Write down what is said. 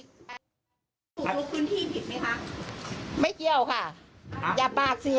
บุกลุกคุณที่ผิดมั้ยคะไม่เกี่ยวค่ะอ่าอย่าปากเสีย